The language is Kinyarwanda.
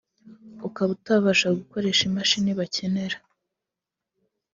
ukaba utabasha gukoresha imashini bakenera